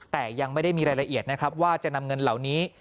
แต่ยังไม่ได้มีรายละเอียดนะครับว่าจะนำเงินเหล่านี้